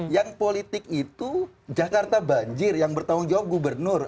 yang politik itu jakarta banjir yang bertanggung jawab gubernur